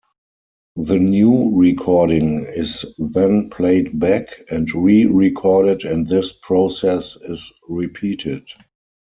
The new recording is then played back and re-recorded, and this process is repeated.